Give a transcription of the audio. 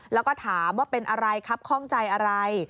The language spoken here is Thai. แล้วก็ถามว่าเป็นอะไรครับข้องใจอะไร